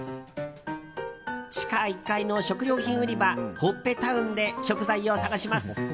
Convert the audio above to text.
地下１階の食料品売り場ほっぺタウンで食材を探します。